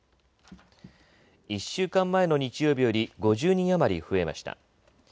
１週間前の日曜日より５０人余り増えました。